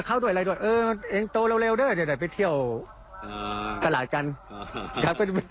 จะเข้าด้วยอะไรด้วยเออเองโตเร็วเดี๋ยวไปเที่ยวกระหลาดจันทร์